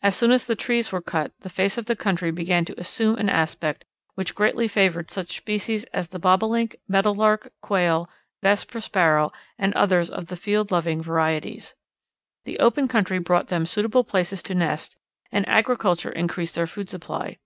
As soon as the trees were cut the face of the country began to assume an aspect which greatly favoured such species as the Bobolink, Meadowlark, Quail, Vesper Sparrow, and others of the field loving varieties. The open country brought them suitable places to nest, and agriculture increased their food supply.